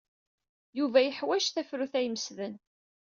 Yuba yeḥwaj tafrut ay imesden.